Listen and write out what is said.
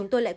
à bảo sao